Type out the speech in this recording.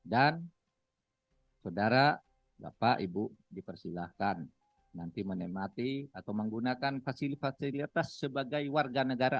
dan saudara bapak ibu dipersilahkan nanti menemati atau menggunakan fasilitas sebagai warga negara